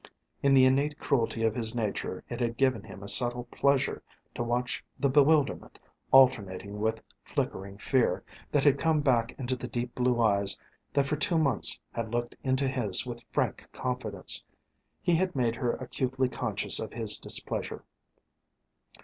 In the innate cruelty of his nature it had given him a subtle pleasure to watch the bewilderment, alternating with flickering fear, that had come back into the deep blue eyes that for two months had looked into his with frank confidence. He had made her acutely conscious of his displeasure.